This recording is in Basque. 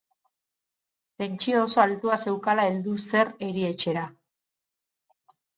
Tentsio oso altua zeukala heldu zer erietxera.